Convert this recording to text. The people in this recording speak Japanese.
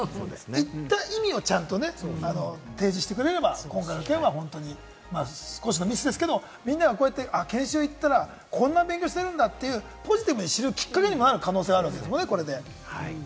行った意味をね、ちゃんと提示してくれれば、今回の件は少しのミスですけれども、みんながこうやって研修行ったら、こんな勉強してるんだというポジティブに知るきっかけにもなる可能性がありますからね。